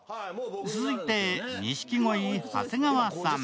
続いて錦鯉・長谷川さん。